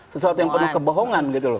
sesuatu yang penuh kebohongan gitu loh